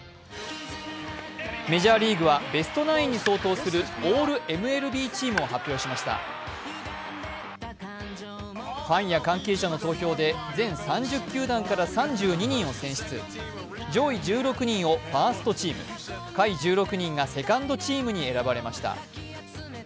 メジャーリーグはベスト９に相当するオールＭＬＢチームを発表しましたファンや関係者の投票で全３０球団から３２人を選出、上位１６人をファーストチーム下位１６人がセカンドチームに選ばれました。